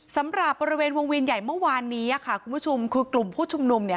สำหรับบริเวณวงเวียนใหญ่เมื่อวานนี้ค่ะคุณผู้ชมคือกลุ่มผู้ชุมนุมเนี่ย